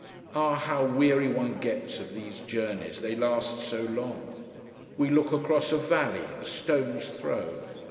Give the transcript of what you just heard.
Ah, how weary one gets of these journeys, they last so long. We look across a valley a stone's throw.